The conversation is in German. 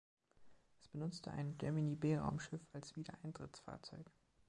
Es benutzte ein Gemini-B-Raumschiff als Wiedereintrittsfahrzeug.